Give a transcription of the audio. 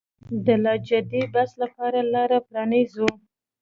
د لا جدي بحث لپاره لاره پرانیزو.